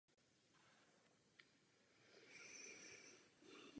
Nakonec však Mark s mírným zpožděním doráží na schůzku Podpory pro život.